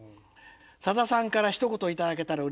さださんからひと言頂けたらうれしい」。